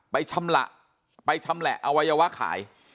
ชำระไปชำแหละอวัยวะขาย